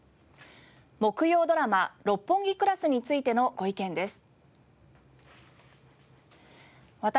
木曜ドラマ『六本木クラス』についてのご意見です。